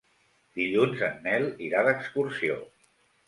Dilluns en Nel irà d'excursió.